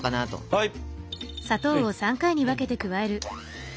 はい。